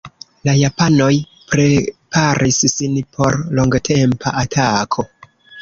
La japanoj preparis sin por longtempa atako.